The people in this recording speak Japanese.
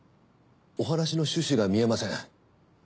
お話の趣旨が見えません。